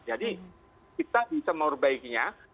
jadi kita bisa memperbaikinya